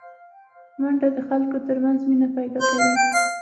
منډه د خلکو ترمنځ مینه پیداکوي